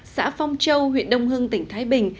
xã phong châu huyện đông hưng tỉnh thái bình